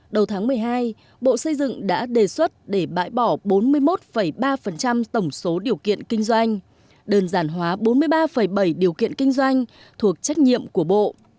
đầu tháng một mươi hai bộ xây dựng đã đề xuất để bãi bỏ bốn mươi một ba tổng số điều kiện kinh doanh đơn giản hóa bốn mươi ba bảy điều kiện kinh doanh thuộc trách nhiệm của bộ